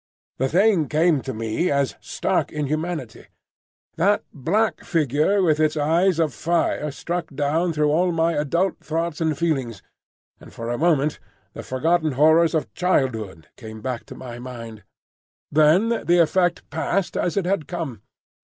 The thing came to me as stark inhumanity. That black figure with its eyes of fire struck down through all my adult thoughts and feelings, and for a moment the forgotten horrors of childhood came back to my mind. Then the effect passed as it had come.